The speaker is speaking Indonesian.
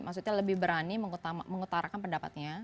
maksudnya lebih berani mengutarakan pendapatnya